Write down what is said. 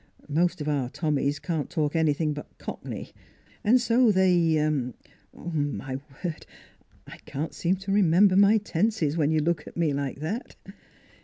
Most of our Tommies can't talk anything but cockney, and so they they My word! I can't seem to re member my tenses when you look at me like that!"